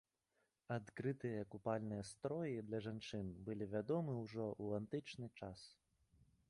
Адкрытыя купальныя строі для жанчын былі вядомы ўжо ў антычны час.